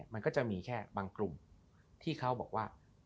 มันก็จะมีแค่บางกลุ่มที่เขาบอกว่า